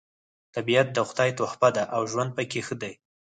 طبیعت د خدای تحفه ده او ژوند پکې ښه دی